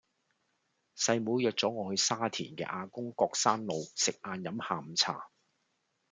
細妹約左我去沙田嘅亞公角山路食晏飲下午茶